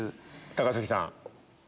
高杉さん。